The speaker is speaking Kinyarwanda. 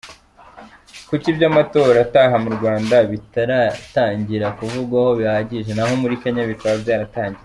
Kuki iby’amatora ataha mu Rwanda bitaratangira kuvugwaho bihagije, naho muri Kenya bikaba byaratangiye